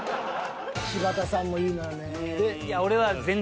柴田さんもいいのよね。